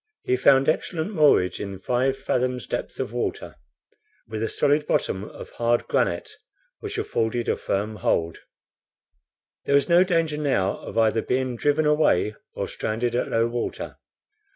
He found excellent moorage in five fathoms' depth of water, with a solid bottom of hard granite, which afforded a firm hold. There was no danger now of either being driven away or stranded at low water.